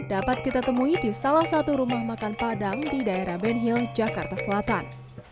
dapat kita temui di salah satu rumah makan padang di daerah benhil jakarta selatan